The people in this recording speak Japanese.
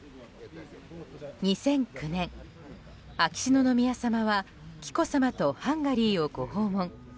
２００９年、秋篠宮さまは紀子さまとハンガリーをご訪問。